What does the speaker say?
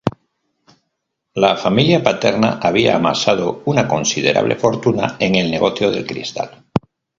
La familia paterna había amasado una considerable fortuna en el negocio del cristal.